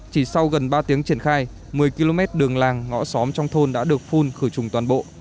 chỉ sau gần ba tiếng triển khai một mươi km đường làng ngõ xóm trong thôn đã được phun khử trùng toàn bộ